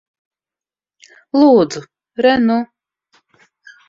Lūdzu. Re nu.